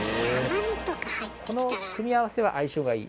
この組み合わせは相性がいい